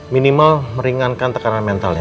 minimal meringankan tekanan mentalnya